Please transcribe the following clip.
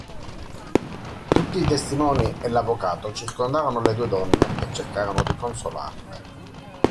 Tutti i testimoni e l'avvocato circondarono le due donne e cercarono consolarle.